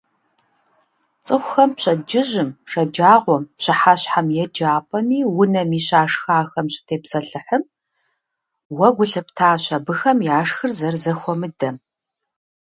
ЦӀыкӀухэм пщэдджыжьым, шэджагъуэм, пщыхьэщхьэм еджапӀэми унэми щашхахэм щытепсэлъыхьым, уэ гу лъыптащ, абыхэм яшхыр зэрызэхуэмыдэм.